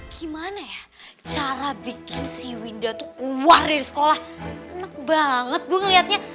gimana ya cara bikin si winda tuh keluar dari sekolah enak banget gue ngeliatnya